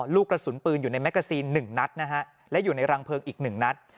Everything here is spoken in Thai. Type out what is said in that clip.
ลูกกระสุนปืนอยู่ในแกซีน๑นัดนะฮะและอยู่ในรังเพลิงอีก๑นัด